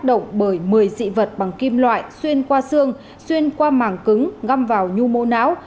động bởi một mươi dị vật bằng kim loại xuyên qua xương xuyên qua màng cứng ngâm vào nhu mô não